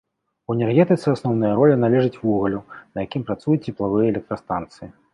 У энергетыцы асноўная роля належыць вугалю, на якім працуюць цеплавыя электрастанцыі.